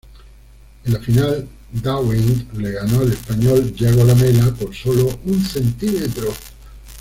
En la final, Dwight le ganó al español Yago Lamela por sólo un centímetro.